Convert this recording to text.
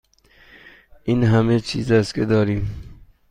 این همه چیزی است که داریم.